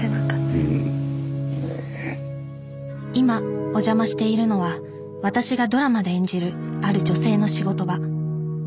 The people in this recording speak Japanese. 今お邪魔しているのは私がドラマで演じるある女性の仕事場